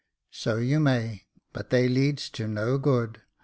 " So you may, but they leads to no good.